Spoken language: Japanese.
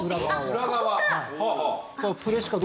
裏側。